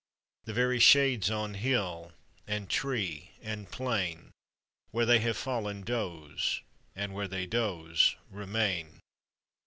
The very shades on hill, and tree, and plain, Where they have fallen doze, and where they doze remain.